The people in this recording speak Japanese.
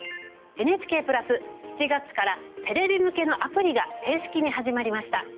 ＮＨＫプラス、７月からテレビ向けのアプリが正式に始まりました。